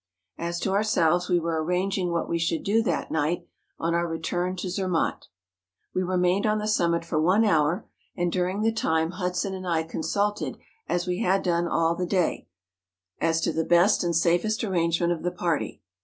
As to ourselves we were arranging what we should do that night on our return to Zermatt. We remained on the summit for one hour, and during the time Hudson and I consulted, as we had done all the day, as to the best and safest arrange¬ ment of the party.